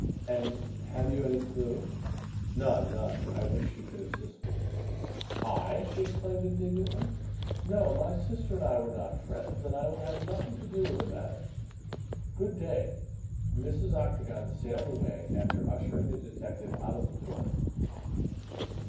"And have you any clue?" "None! None! I wish you could assist me." "I?" she exclaimed indignantly, "no, my sister and I were not friends, and I will have nothing to do with the matter. Good day," and Mrs. Octagon sailed away, after ushering the detective out of the door.